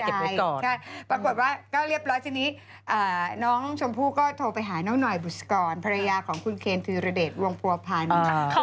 ใช่ปรากฏว่าก็เรียบร้อยทีนี้น้องชมพู่ก็โทรไปหาน้องหน่อยบุษกรภรรยาของคุณเคนธีรเดชวงผัวพันธ์